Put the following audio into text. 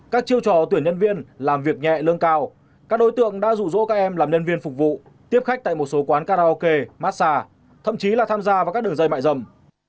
các chiêu trò tuyển nhân viên làm việc nhẹ lương cao các đối tượng đã rụ rỗ các em làm nhân viên phục vụ tiếp khách tại một số quán karaoke massage thậm chí là tham gia vào các đường dây mại dầm